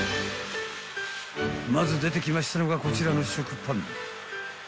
［まず出てきましたのがこちらの食パン］